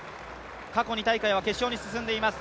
過去２大会は決勝に進んでいます。